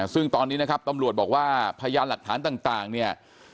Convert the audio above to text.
ซึ่งตอนนี้นะครับตำรวจบอกว่าพยานหลักฐานต่างเนี่ย